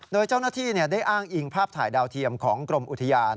โดยเจ้าหน้าที่ได้อ้างอิงภาพถ่ายดาวเทียมของกรมอุทยาน